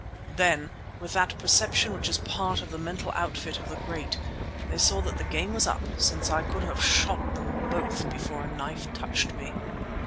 Then with that perception which is part of the mental outfit of the great, they saw that the game was up since I could have shot them both before a knife touched me.